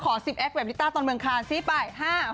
ขอสิบแอคแบบลิต้าตอนเมืองคลานสิไป๕๖๗๘